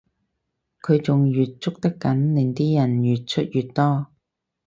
佢仲越捉得緊令啲人越出越多